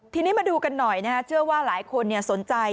ทีนี้มาดูกันหน่อยเจอว่าหลายคนสนใจ